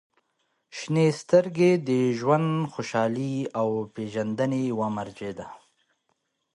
• شنې سترګې د ژوند خوشحالۍ او پېژندنې یوه مرجع ده.